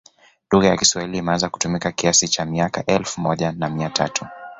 Lugha ya kiswahili imeanza kutumika kiasi cha miaka ya elfu moja na mia tatu